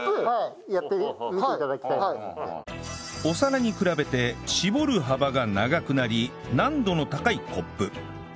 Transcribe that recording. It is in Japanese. お皿に比べて絞る幅が長くなり難度の高いコップ